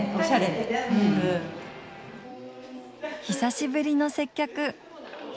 久しぶりの接客。